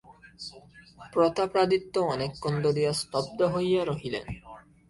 প্রতাপাদিত্য অনেকক্ষণ ধরিয়া স্তব্ধ হইয়া রহিলেন।